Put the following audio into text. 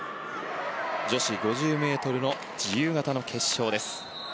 女子５０ｍの自由形の決勝です。